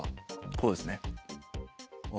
こうですね。